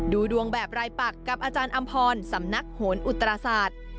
ดูดวงแบบรายปักกับอาจารย์อำพรสำนักโหนอุตราศาสตร์